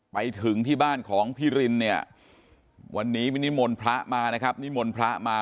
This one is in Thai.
ไปถึงที่บ้านของพี่รินเนี่ยวันนี้วินิมนต์พระมานะครับนิมนต์พระมา